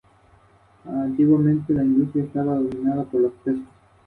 El video musical muestra a la banda de gira por Pekín, China.